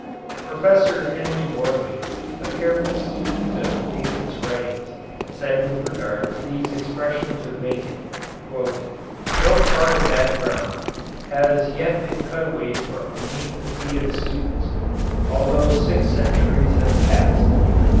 Professor Henry Morley, a careful student of Bacon's writings, said with regard to these expressions of Bacon: No part of that ground has yet been cut away from beneath the feet of students, although six centuries have passed.